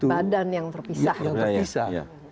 badan yang terpisah